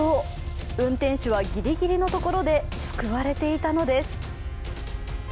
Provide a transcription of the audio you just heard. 運転手はギリギリのところで救われていたのです。